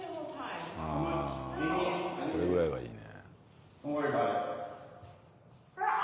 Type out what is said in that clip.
これぐらいがいいね。